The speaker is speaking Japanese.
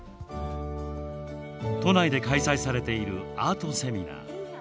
都内で開催されているアートセミナー。